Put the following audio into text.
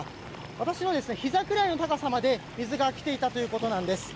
私のひざくらいの高さまで水が来ていたということです。